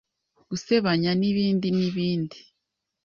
gusebanya n’ibindi n,ibindi